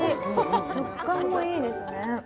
食感もいいですね。